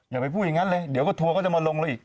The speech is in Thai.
อย่าไปพูดอย่างนั้นเลยเดี๋ยวก็ทัวร์ก็จะมาลงเราอีก